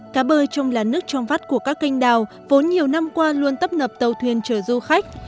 cá bơi trong làn nước trong vắt của các kênh đào vốn nhiều năm qua luôn tấp nập tàu thuyền chở du khách